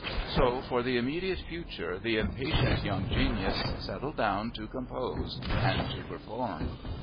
So for the immediate future the impatient young genius settled down to compose and to perform.